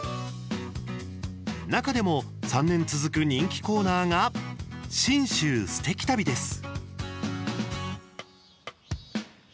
中でも３年続く人気コーナーが「信州すてき旅」です。